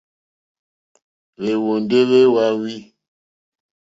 Wéyɔ́ndɔ̀ wé wáwî.